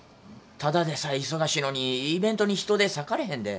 ただでさえ忙しいのにイベントに人手割かれへんで。